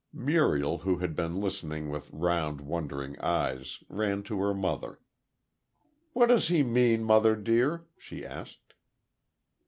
Muriel, who had been listening with round, wondering eyes, ran to her mother. "What does he mean, mother dear?" she asked.